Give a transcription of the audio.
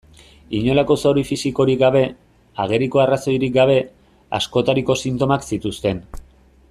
Inolako zauri fisikorik gabe, ageriko arrazoirik gabe, askotariko sintomak zituzten.